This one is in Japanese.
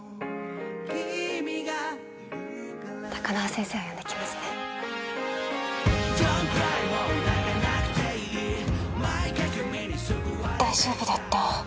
高輪先生を呼んできますね大丈夫だった？